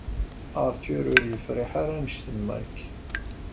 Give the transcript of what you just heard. Arthur ur yefṛiḥ ara anect n Mike.